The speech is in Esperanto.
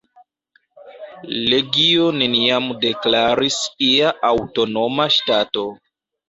Legio neniam deklaris ia aŭtonoma ŝtato.